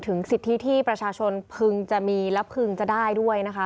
สิทธิที่ประชาชนพึงจะมีและพึงจะได้ด้วยนะคะ